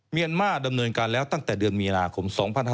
เมียนมาดำเนินการแล้วตั้งแต่เดือนมีนาคม๒๕๕๙